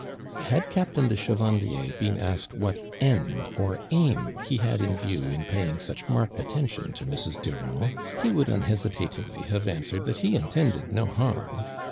"' Had Captain de Chevandier been asked what end or aim he had in view in paying such marked attention to Mrs. Du rand, he would unhesitatingly have answer ed that he intended no harm.